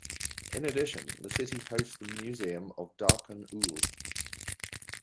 In addition, the city hosts the Museum of Darkhan-Uul.